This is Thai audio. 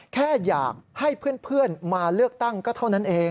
แค่อยากให้เพื่อนมาเลือกตั้งก็เท่านั้นเอง